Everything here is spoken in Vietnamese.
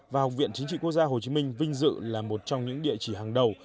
và học viện chính trị quốc gia hồ chí minh vinh dự là một trong những địa chỉ hàng đầu